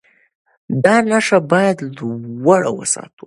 دا نښه باید لوړه وساتو.